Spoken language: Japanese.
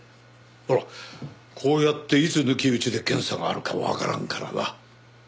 ほらこうやっていつ抜き打ちで検査があるかわからんからな。